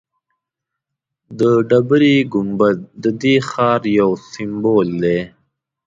د ډبرې ګنبد ددې ښار یو سمبول دی.